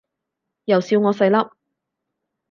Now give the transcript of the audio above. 又笑我細粒